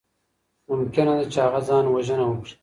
ممکنه ده چي هغه ځان وژنه وکړي.